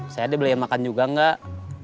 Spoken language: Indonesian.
saya ada beli yang makan juga gak